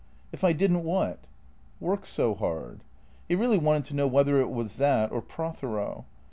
"If I didn't what?" " Work so hard." He really wanted to know whether it was that or Prothero.